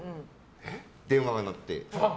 電話が鳴って。